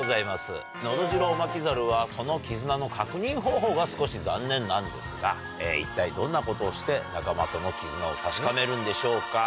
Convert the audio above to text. ノドジロオマキザルはその絆の確認方法が少しざんねんなんですが一体どんなことをして仲間との絆を確かめるんでしょうか？